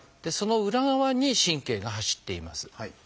その裏側に神経が走っています。